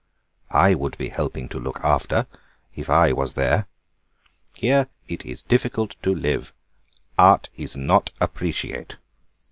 I could be helping to look after if I was there. Here it is difficult to live; art is not appreciate."